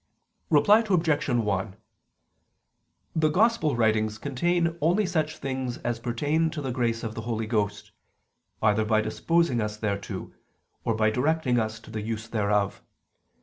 Reply Obj. 1: The Gospel writings contain only such things as pertain to the grace of the Holy Ghost, either by disposing us thereto, or by directing us to the use thereof.